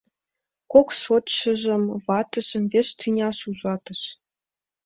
— Кок шочшыжым, ватыжым вес тӱняш ужатыш.